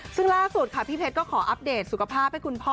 ซึ่งล่าสุดค่ะพี่เพชรก็ขออัปเดตสุขภาพให้คุณพ่อ